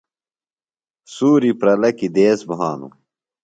سُوری پرلہ کیۡ دیس بھانوۡ۔